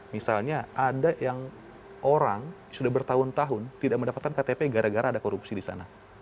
misalnya ada yang orang sudah bertahun tahun tidak mendapatkan ktp gara gara ada korupsi di sana